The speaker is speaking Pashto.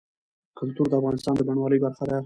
کلتور د افغانستان د بڼوالۍ برخه ده.